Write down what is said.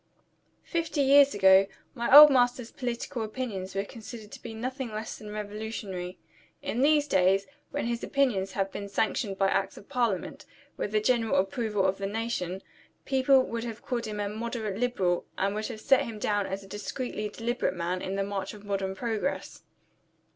Fifty years ago, my old master's political opinions were considered to be nothing less than revolutionary. In these days when his Opinions have been sanctioned by Acts of Parliament, with the general approval of the nation people would have called him a "Moderate Liberal," and would have set him down as a discreetly deliberate man in the march of modern progress.